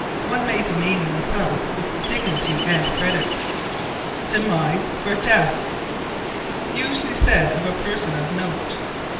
One may demean oneself with dignity and credit. Demise for Death. Usually said of a person of note.